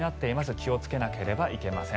気をつけなければいけません。